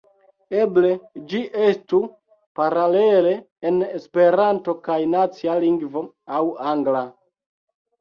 Eble ĝi estu paralele en Esperanto kaj nacia lingvo aŭ angla.